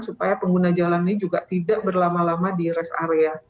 supaya pengguna jalan ini juga tidak berlama lama di rest area